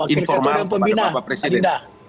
informat kepada bapak presiden